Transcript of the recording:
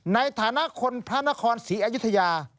ในฐานะคนพระนครศรีอยุธยา